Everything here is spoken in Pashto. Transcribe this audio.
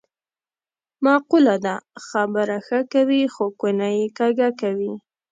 معقوله ده: خبره ښه کوې خو کونه یې کږه کوې.